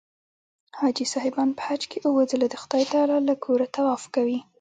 حاجي صاحبان په حج کې اووه ځله د خدای تعلی له کوره طواف کوي.